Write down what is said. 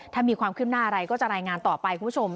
ถ้ามีความขึ้นหน้าอะไรก็จะรายงานต่อไปคุณผู้ชม